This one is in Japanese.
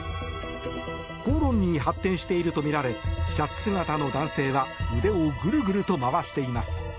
口論に発展しているとみられシャツ姿の男性は腕をグルグルと回しています。